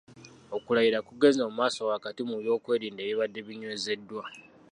Okulayira kugenze mu maaso wakati mu by’okwerinda ebibadde binywezeddwa.